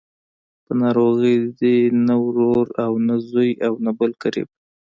په ناروغۍ دې نه ورور او نه زوی او نه بل قريب.